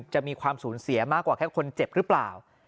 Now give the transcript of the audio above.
จะมีความสูญเสียมากกว่าแค่คนเจ็บหรือเปล่า